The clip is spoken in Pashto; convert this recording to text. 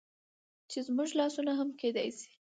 چې زموږ لاسونه هم کيدى شي